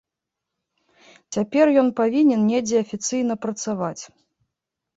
Цяпер ён павінен недзе афіцыйна працаваць.